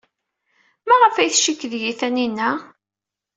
Maɣef ay tcikk deg-i Taninna?